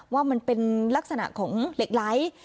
ว่ามันเป็นลักษณะของเหล็กไหล